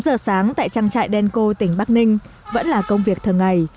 tám giờ sáng tại trang trại đen co tỉnh bắc ninh vẫn là công việc thờ ngày